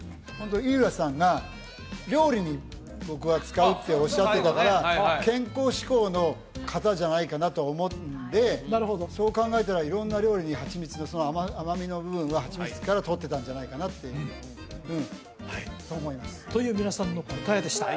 井浦さんが「料理に僕は使う」っておっしゃってたから健康志向の方じゃないかなとは思うんでそう考えたら色んな料理にはちみつのその甘みの部分ははちみつからとってたんじゃないかなって思いますという皆さんの答えでした